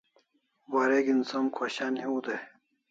Wareg'in som khoshan hiu dai